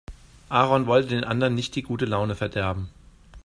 Aaron wollte den anderen nicht die gute Laune verderben.